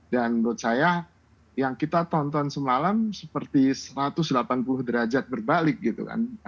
dan menurut saya yang kita tonton semalam seperti satu ratus delapan puluh derajat berbalik gitu kan